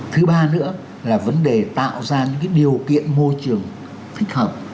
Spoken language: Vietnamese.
thứ ba nữa là vấn đề tạo ra những điều kiện môi trường thích hợp